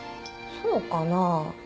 そうかな？